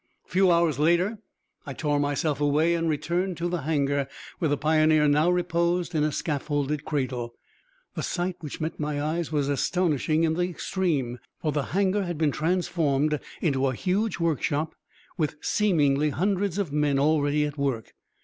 A few hours later I tore myself away and returned to the hangar, where the Pioneer now reposed in a scaffolded cradle. The sight which met my eyes was astonishing in the extreme, for the hangar had been transformed into a huge workshop with seemingly hundreds of men already at work.